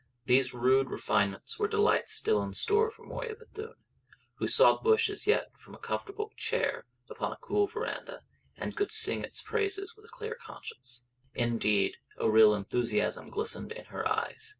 These rude refinements were delights still in store for Moya Bethune, who saw the bush as yet from a comfortable chair upon a cool verandah, and could sing its praises with a clear conscience. Indeed, a real enthusiasm glistened in her eyes.